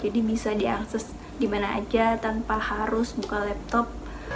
jadi bisa diakses dimana aja tanpa harus buka laptop